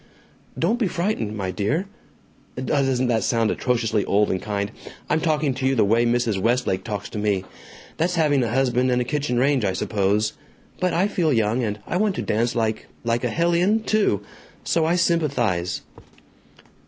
"Don't be frightened, my dear! ... Doesn't that sound atrociously old and kind! I'm talking to you the way Mrs. Westlake talks to me! That's having a husband and a kitchen range, I suppose. But I feel young, and I want to dance like a like a hellion? too. So I sympathize."